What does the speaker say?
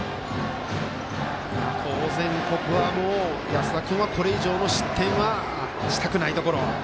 当然、ここは安田君はこれ以上の失点は、したくないところ。